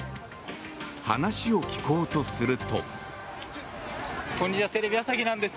話を聞こうとすると。